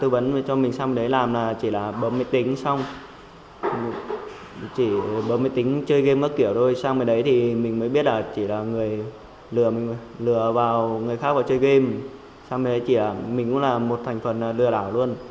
bảo người khác vào chơi game xong rồi chia mình cũng là một thành phần lừa đảo luôn